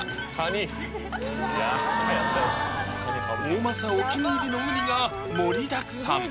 大政お気に入りのうにが盛りだくさん！